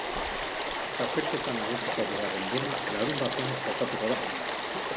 Txapelketa nagusiko bigarren dema larunbatean jokatuko da.